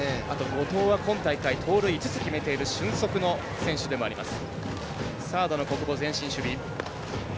後藤は今大会盗塁５つ決めている俊足の選手でもあります。